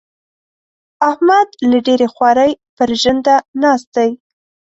احمد له ډېرې خوارۍ؛ پر ژنده ناست دی.